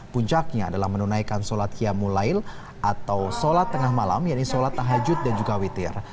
puncaknya adalah menunaikan solat qiyamul lail atau solat tengah malam yaitu solat tahajud dan juga witir